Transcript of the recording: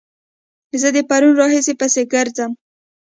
زه د پرون راهيسې پسې ګرځم